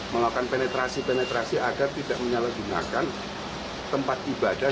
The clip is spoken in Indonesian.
melakukan penetrasi penetrasi agar tidak menyalahgunakan tempat ibadah